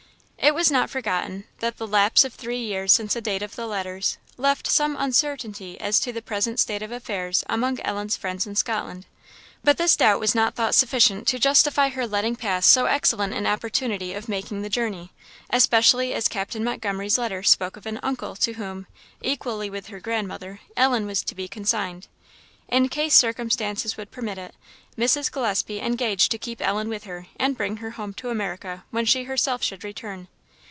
It was not forgotten that the lapse of three years since the date of the letters, left some uncertainty as to the present state of affairs among Ellen's friends in Scotland; but this doubt was not thought sufficient to justify her letting pass so excellent an opportunity of making the journey; especially as Captain Montgomery's letter spoke of an uncle, to whom, equally with her grandmother, Ellen was to be consigned. In case circumstances would permit it, Mrs. Gillespie engaged to keep Ellen with her, and bring her home to America when she herself should return.